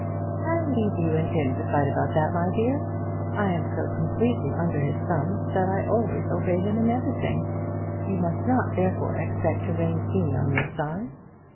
"I'll leave you and him to fight about that, my dear. I am so completely under his thumb that I always obey him in everything. You must not, therefore, expect to range me on your side."